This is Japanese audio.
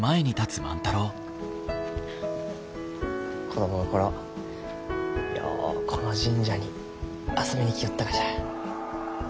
子供の頃ようこの神社に遊びに来よったがじゃ。